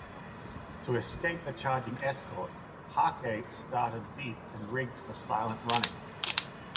To escape the charging escort, "Hake" started deep and rigged for silent running.